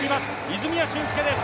泉谷駿介です。